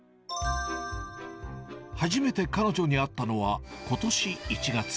初めて彼女に会ったのは、ことし１月。